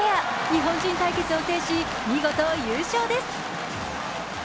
日本人対決を制し、見事優勝です。